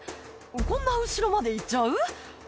「こんな後ろまで行っちゃう？」